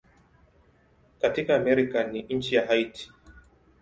Katika Amerika ni nchi ya Haiti.